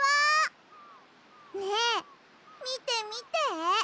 ねえみてみて！